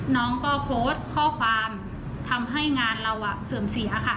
น้องก็โพสต์ข้อความทำให้งานเราเสื่อมเสียค่ะ